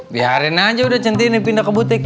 biarin aja udah centini pindah ke butik